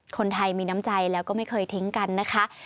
คนไทยมีน้ำใจแล้วก็ไม่เคยทิ้งกันนะคะ